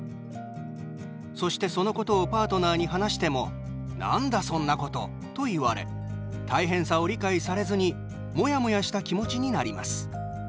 そして、そのことをパートナーに話しても「なんだそんなこと」と言われ大変さを理解されずにもやもやした気持ちになります。